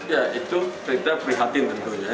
ya itu kita prihatin tentunya